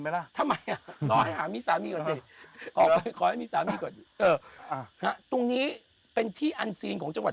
หรอฝรแต่ขอให้หามีสามีก่อนสิเผื่อที่ตอนนี้เป็นที่อันซีนของเจ้าหวัด